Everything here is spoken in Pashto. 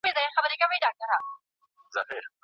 که ماشوم ته سمه روزنه ورکړو، هغه بد اخلاقه نه کېږي.